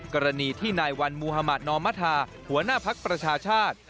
กรณีที่นายวันมุธมาธนอมธาหัวหน้าภักดิ์ประชาชาติ